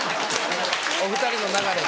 お２人の流れ